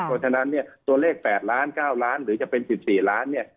เพราะฉะนั้นเนี่ยตัวเลข๘ล้าน๙ล้านหรือจะเป็น๑๔ล้านเนี่ย